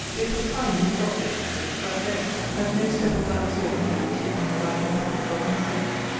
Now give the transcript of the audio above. It was kind in the Doctor, she said: but begged, that no step of that sort might be taken without her knowledge or consent.